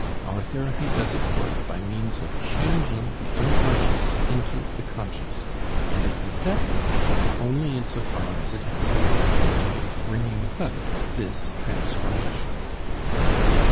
Our therapy does its work by means of changing the unconscious into the conscious, and is effective only in so far as it has the opportunity of bringing about this transformation.